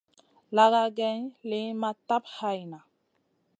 Laga geyn liyn ma tap hayna.